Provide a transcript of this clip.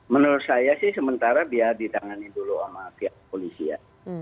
menurut saya sih sementara biar ditangani dulu sama pihak polisi ya